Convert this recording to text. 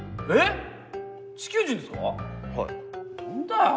はい。